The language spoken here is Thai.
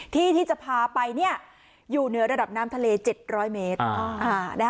ที่ที่จะพาไปอยู่เหนือระดับน้ำทะเล๗๐๐เมตร